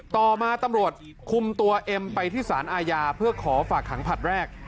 ต่อมาตำรวจคุมตัวเอ็มไปที่สารอาญาเพื่อขอฝากขังผลัดแรก